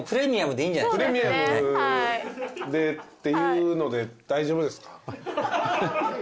プレミアムでっていうので大丈夫ですか？